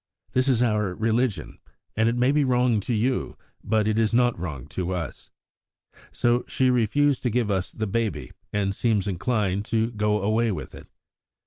This is our religion; and it may be wrong to you, but it is not wrong to us.' So she refused to give us the baby, and seems inclined to go away with it.